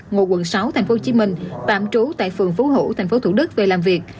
ngụ quận sáu tp hcm tạm trú tại phường phú hữu tp thủ đức về làm việc